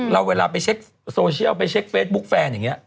เราเวลาไปเช็กโซเชียลไฟสบุ๊คแฟนอย่างเนี้ย